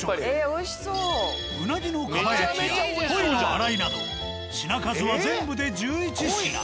うなぎの蒲焼きや鯉のあらいなど品数は全部で１１品。